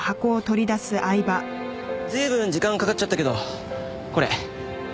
随分時間かかっちゃったけどこれ。